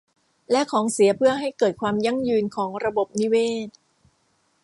และของเสียเพื่อให้เกิดความยั่งยืนของระบบนิเวศ